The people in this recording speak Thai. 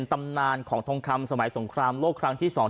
ตำนานของทองคำสมัยสงครามโลกครั้งที่๒